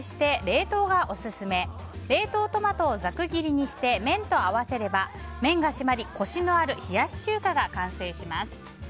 冷凍トマトをざく切りにして麺と合わせれば麺が締まり、コシのある冷やし中華が完成します。